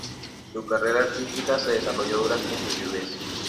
Su carrera artística se desarrolló durante su viudez.